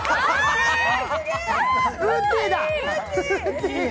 ウッディだ！